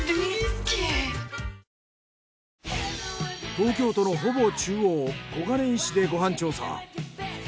東京都のほぼ中央小金井市でご飯調査。